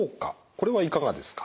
これはいかがですか？